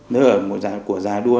nơi ở của giàng a đua